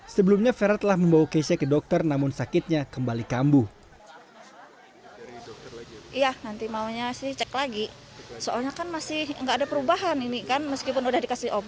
sebelumnya vera telah membawa keisha ke dokter namun sakitnya kembali kambuh